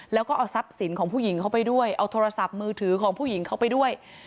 แล้วก็เอาทรัพย์สินของผู้หญิงเข้าไปด้วยเอาโทรศัพท์มือถือของผู้หญิงเข้าไปด้วย